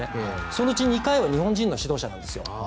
そのうち２回は日本人の指導者なんです。